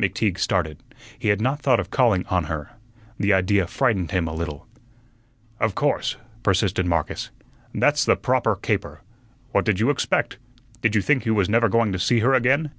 McTeague started. He had not thought of calling on her. The idea frightened him a little. "Of course," persisted Marcus, "that's the proper caper. What did you expect? Did you think you was never going to see her again?"